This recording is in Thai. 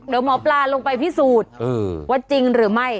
เดี๋ยวหมอปลาลงไปพิสูจน์ว่าจริงหรือไม่